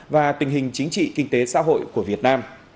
và tình hình chính trị kinh tế xã hội của việt nam